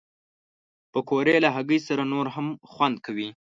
پکورې له هګۍ سره نور هم خوند کوي